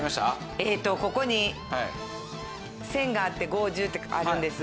ここに線があって５１５ってあるんですが。